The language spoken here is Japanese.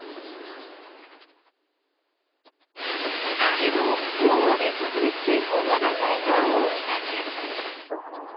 昨日大雨特別警報が出された大分県。